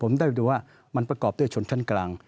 ผมได้ดูว่ามันประกอบด้วยชนชั้นกลาง